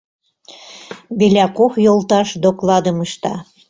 Беляков йолташ докладым ышта.